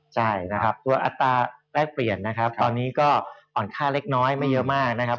ใช่นะครับตัวอัตราแรกเปลี่ยนนะครับตอนนี้ก็อ่อนค่าเล็กน้อยไม่เยอะมากนะครับ